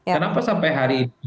kenapa sampai hari ini